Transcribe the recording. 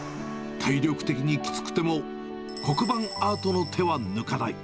体力的にきつくても、黒板アートの手は抜かない。